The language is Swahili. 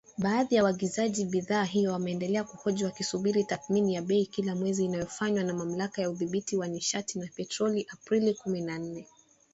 Baadhi ya waagizaji bidhaa hiyo wameendelea kuhoji wakisubiri tathmini ya bei kila mwezi inayofanywa na Mamlaka ya Udhibiti wa Nishati na Petroli Aprili kumi na nne.